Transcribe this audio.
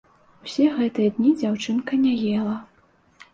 Усе гэтыя дні дзяўчынка не ела.